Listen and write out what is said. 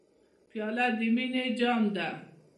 پیاله د مینې جام ده.